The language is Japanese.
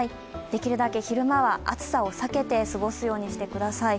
できるだけ昼間は暑さを避けて過ごすようにしてください。